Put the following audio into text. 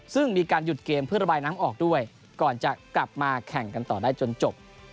ซึ่งมีการหยุดเกมเพื่อระบายน้ำออกด้วยก่อนจะกลับมาแข่งกันต่อได้จนจบ